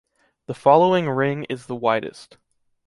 The following ring is the widest.